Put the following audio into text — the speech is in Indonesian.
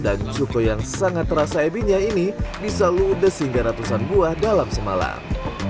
dan cuko yang sangat terasa ebinya ini bisa ludes hingga ratusan buah dalam semalam